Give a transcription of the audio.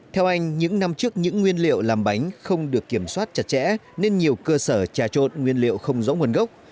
theo anh những năm trước những nguyên liệu làm bánh không được kiểm soát chặt chẽ nên nhiều cơ sở trà trộn nguyên liệu không rõ nguồn gốc